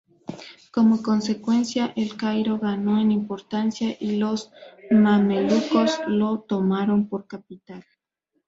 Como consecuencia, El Cairo ganó en importancia y los mamelucos la tomaron por capital.